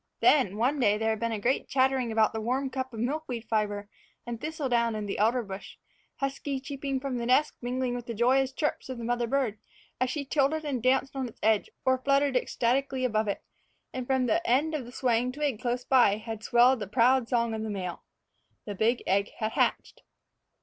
Then, one day, there had been a great chattering about the warm cup of milkweed fiber and thistle down in the elder bush, husky cheeping from the nest mingling with the joyous chirps of the mother bird as she tilted and danced on its edge or fluttered ecstatically above it; and from the end of a swaying twig close by had swelled the proud song of the male. The big egg had hatched.